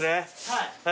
はい。